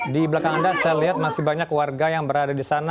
di belakang anda saya lihat masih banyak warga yang berada di sana